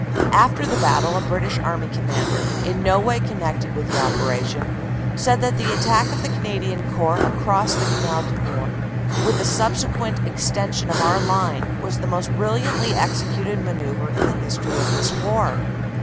After the battle, a British Army Commander, in no way connected with the operation, said that the attack of the Canadian Corps across the Canal du Nord, with the subsequent extension of our line, was the most brilliantly executed manoeuvre in the history of this war.